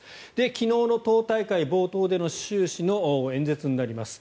昨日の党大会冒頭での習氏の演説になります。